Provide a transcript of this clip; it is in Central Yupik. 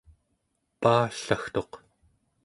paallagtuq